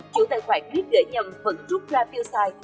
chủ tài khoản biết gỡ nhầm vẫn rút ra tiêu sai